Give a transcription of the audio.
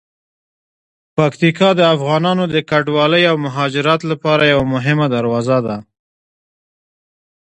پکتیکا د افغانانو د کډوالۍ او مهاجرت لپاره یوه مهمه دروازه ده.